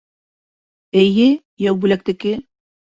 — Эйе, Яубүләктеке.